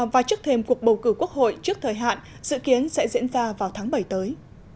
và trước thêm cuộc bầu cử quốc hội trước thời hạn dự kiến sẽ diễn ra vào tháng bảy tới